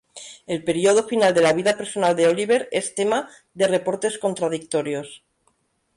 El periodo final de la vida personal de Oliver es tema de reportes contradictorios.